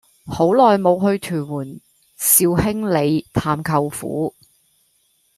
好耐無去屯門兆興里探舅父